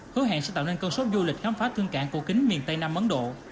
hứa hẹn sẽ tạo nên câu số du lịch khám phá thương cảng cổ kính miền tây nam ấn độ